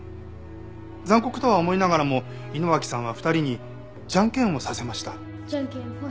残酷とは思いながらも井野脇さんは２人にじゃんけんをさせました。